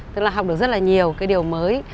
tức là học được rất là nhiều điều mới